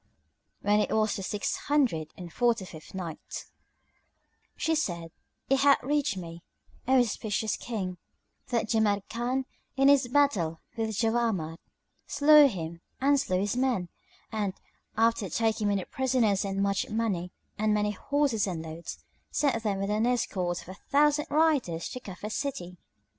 When it was the Six Hundred and Forty fifth Night, She said, It hath reached me, O auspicious King, that Jamrkan in his battle with Jawamard slew him and slew his men; and, after taking many prisoners and much money and many horses and loads, sent them with an escort of a thousand riders, to Cufa city.